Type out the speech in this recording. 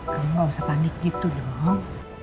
kamu gak usah panik gitu demo